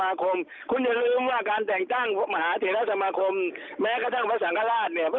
คมคุณอย่าลืมว่าการแต่งตั้งมหาเถระสมาคมแม้กระทั่งพระสังฆราชเนี่ย